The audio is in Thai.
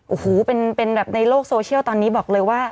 โอ้โหเป็นแบบในโลกโซเชียลตอนนี้บอกเลยว่า